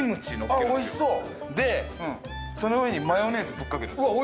でその上にマヨネーズぶっかけるんですよ。